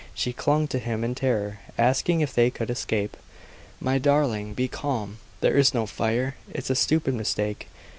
She clung to him in terror, asking if they could escape. "My darling, be calm! There's no fire; it's a stupid mistake.